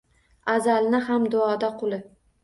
Azalni ham duoda quli